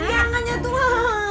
jangan ya tua